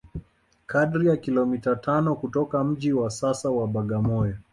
kadri ya kilomita tano kutoka mji wa sasa wa Bagamoyo